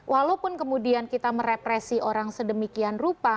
walaupun kemudian kita merepresi orang sedemikian rupa